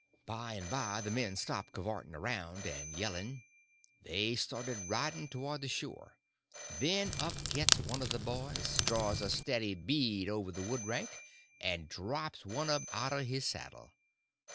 By and by the men stopped cavorting around and yelling. They started riding towards the store; then up gets one of the boys, draws a steady bead over the wood rank, and drops one of them out of his saddle.